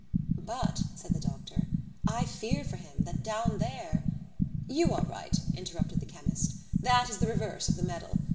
"But," said the doctor, "I fear for him that down there " "You are right," interrupted the chemist; "that is the reverse of the medal.